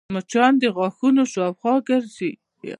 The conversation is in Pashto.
مچان د غاښونو شاوخوا ګرځي